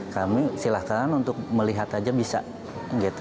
kami silakan untuk melihat saja bisa